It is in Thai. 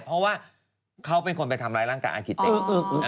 เพราะว่าเขาไปทำร้ายร่างกายอาร์คิตเทค